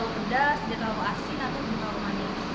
tidak terlalu asin atau terlalu manis